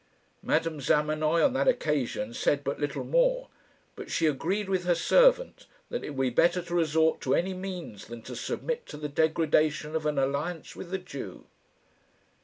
Madame Zamenoy on that occasion said but little more, but she agreed with her servant that it would be better to resort to any means than to submit to the degradation of an alliance with the Jew.